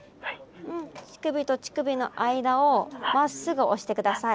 うん乳首と乳首の間をまっすぐ押して下さい。